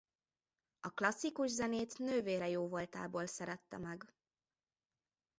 A klasszikus zenét nővére jóvoltából szerette meg.